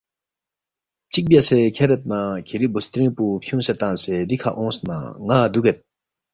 چِک بیاسے کھیرید نہ کِھری بُوسترِنگ پو فیُونگسے تنگسے دِکھہ اونگس نہ ن٘ا دُوگید